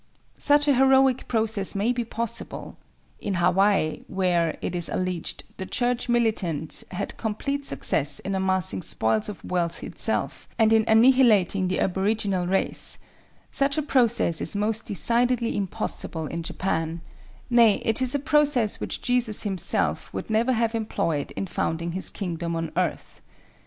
Such a heroic process may be possible—in Hawaii, where, it is alleged, the church militant had complete success in amassing spoils of wealth itself, and in annihilating the aboriginal race: such a process is most decidedly impossible in Japan—nay, it is a process which Jesus himself would never have employed in founding his kingdom on earth.